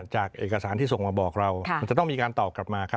จากเอกสารที่ส่งมาบอกเรามันจะต้องมีการตอบกลับมาครับ